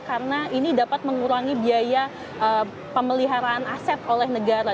karena ini dapat mengurangi biaya pemeliharaan aset oleh negara